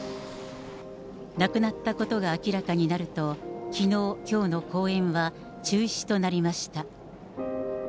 亡くなったことが明らかになると、きのう、きょうの公演は中止となりました。